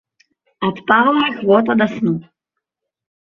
Адпала ахвота да сну.